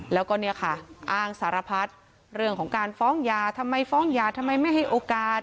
แล้วก็เนี่ยค่ะอ้างสารพัดเรื่องของการฟ้องยาทำไมฟ้องยาทำไมไม่ให้โอกาส